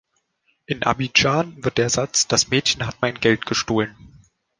In Abidjan wird der Satz „Das Mädchen hat mein Geld gestohlen“ ...